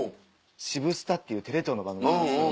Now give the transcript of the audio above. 『シブスタ』っていうテレ東の番組なんですけど。